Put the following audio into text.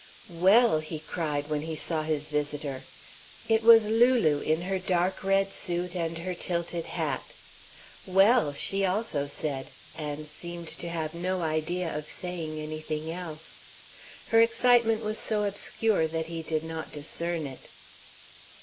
"Well!" he cried, when he saw his visitor. It was Lulu, in her dark red suit and her tilted hat. "Well!" she also said, and seemed to have no idea of saying anything else. Her excitement was so obscure that he did not discern it.